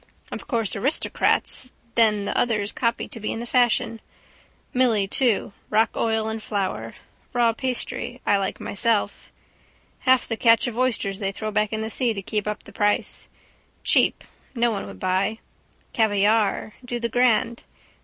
Of course aristocrats, then the others copy to be in the fashion. Milly too rock oil and flour. Raw pastry I like myself. Half the catch of oysters they throw back in the sea to keep up the price. Cheap no one would buy. Caviare. Do the grand.